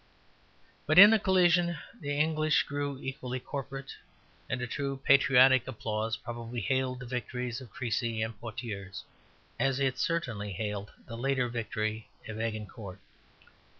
But in the collision the English grew equally corporate; and a true patriotic applause probably hailed the victories of Crecy and Poitiers, as it certainly hailed the later victory of Agincourt.